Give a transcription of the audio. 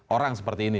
orang seperti ini